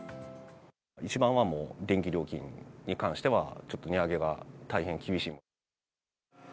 一番は電気料金に関しては、ちょっと値上げが大変厳しい。